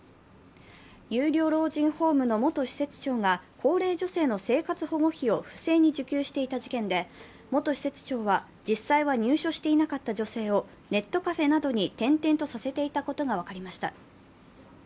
有料老人ホームの元施設長が高齢女性の生活保護費を不正に受給していた事件で元施設長は、実際は入所していなかった女性をネットカフェなどに転々とさせていたことが分かりました。